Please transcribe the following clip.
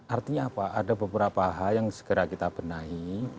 artinya apa ada beberapa hal yang segera kita benahi